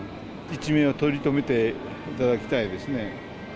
一命は取り留めていただきたいですね。